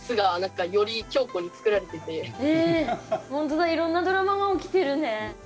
ほんとだいろんなドラマが起きてるね。